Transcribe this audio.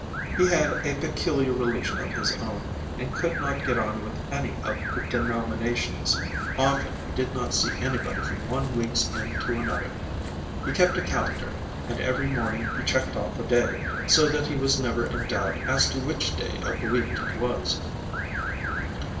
He had a peculiar religion of his own and could not get on with any of the denominations. Often he did not see anybody from one week's end to another. He kept a calendar, and every morning he checked off a day, so that he was never in any doubt as to which day of the week it was.